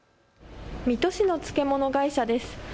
水戸市の漬物会社です。